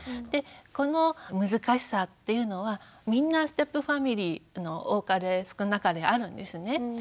でこの難しさっていうのはみんなステップファミリー多かれ少なかれあるんですね。